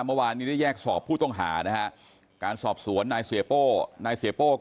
เมื่อวานนี้ได้แยกสอบผู้ต้องหาการสอบสวนให้ตัวไหนเสพโป้